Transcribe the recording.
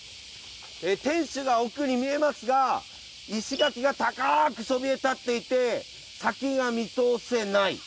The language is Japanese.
天守が奥に見えますが石垣が高くそびえ立っていて先が見通せない。